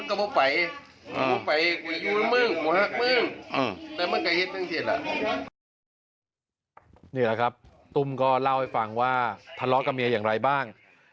นี่แหละครับตุ้มก็เล่าให้ฟังว่าทะเลาะกับเมียอย่างไรบ้าง